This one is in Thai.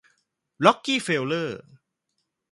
ร็อกกี้เฟลเลอร์